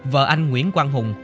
vợ anh nguyễn quang hùng